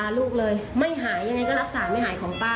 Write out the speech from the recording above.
คุณผู้ชมค่ะแล้วเดี๋ยวมาเล่ารายละเอียดเพิ่มเติมให้ฟังค่ะ